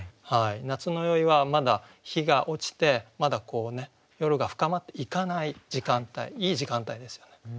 「夏の宵」はまだ日が落ちてまだ夜が深まっていかない時間帯いい時間帯ですよね。